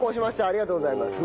ありがとうございます。